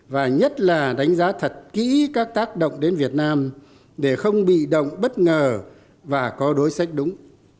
và nhất là đánh giá thật kỹ các tác động đến việt nam để không bị động bất ngờ và có đối sách đúng